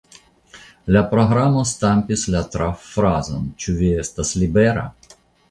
La programo stampis la traffrazon "Ĉu vi estas libera?